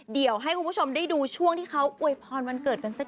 เดี๋ยวให้คุณผู้ชมได้ดูช่วงที่เขาอวยพรวันเกิดกันสัก